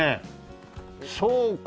そうか。